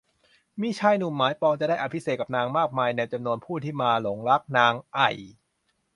มีชายหนุ่มหมายปองจะได้อภิเษกกับนางมากมาย ในจำนวนผู้ที่มาหลงรักนางไอ่